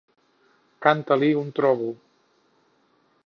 Canta-li un trobo!